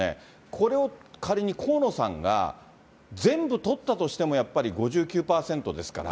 これを仮に河野さんが全部取ったとしても、やっぱり、５９％ですから。